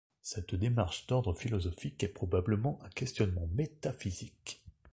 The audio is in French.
Cette démarche d'ordre philosophique est probablement un questionnement métaphysique.